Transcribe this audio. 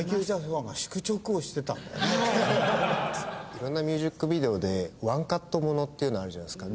いろんなミュージックビデオで１カットものっていうのあるじゃないですか。